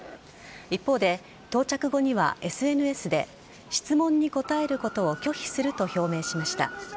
一方で到着後にはＳＮＳで質問に答えることを拒否すると表明しました。